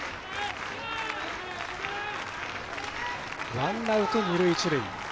ワンアウト、二塁、一塁。